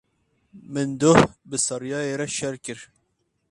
Min doh bi Saryayê re şer kir.